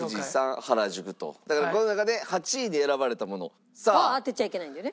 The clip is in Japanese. だからこの中で８位に選ばれたもの。は当てちゃいけないんだよね。